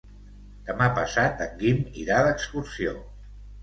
Demà passat en Guim irà d'excursió.